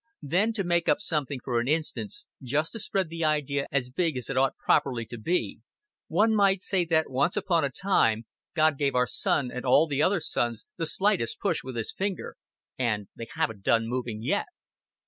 Then to make up something for an instance, just to spread the idea as big as it ought properly to be, one might say that once upon a time God gave our sun and all the other suns the slightest push with His finger, and they haven't done moving yet.